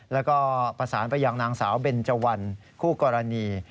แล้วก็ประสานไปยังนางสาวเบนเจวันคู่กรณี